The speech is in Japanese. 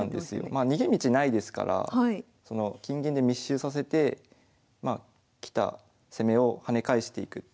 まあ逃げ道ないですから金銀で密集させて来た攻めを跳ね返していくっていうことですね。